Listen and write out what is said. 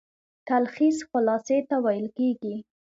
تلخیص خلاصې ته ويل کیږي.